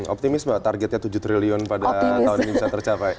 optimis mbak targetnya tujuh triliun pada tahun ini bisa tercapai